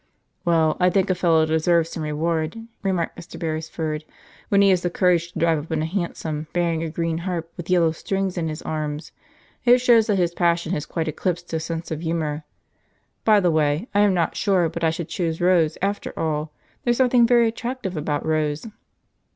"Well, I think a fellow deserves some reward," remarked Mr. Beresford, "when he has the courage to drive up in a hansom bearing a green harp with yellow strings in his arms. It shows that his passion has quite eclipsed his sense of humour. By the way, I am not sure but I should choose Rose, after all; there's something very attractive about Rose."